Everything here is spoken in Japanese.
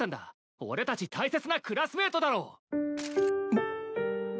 俺たち大切なクラスメイトだろ！も諸星。